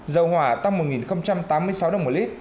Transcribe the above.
dầu hỏa tăng một tám mươi sáu đồng một lít